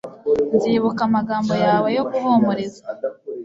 nzibuka amagambo yawe yo guhumuriza